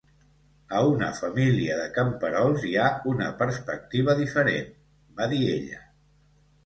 "A una família de camperols hi ha una perspectiva diferent", va dir ella,